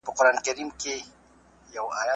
ژر تشخیص د دغو نښو مخه نیسي.